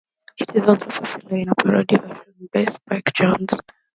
It was also popular in a parody version by Spike Jones.